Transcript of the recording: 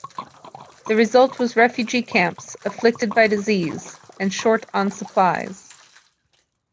The result was refugee camps afflicted by disease and short on supplies.